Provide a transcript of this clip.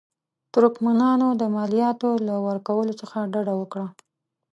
ترکمنانو د مالیاتو له ورکولو څخه ډډه وکړه.